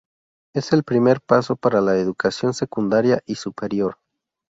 Es el primer paso para la educación secundaria y superior.